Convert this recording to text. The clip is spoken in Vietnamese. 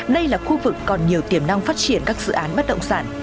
đây là khu vực còn nhiều tiềm năng phát triển các dự án bất động sản